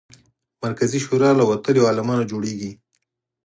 مرکزي شورا له وتلیو عالمانو جوړېږي.